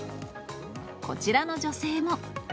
こちらの女性も。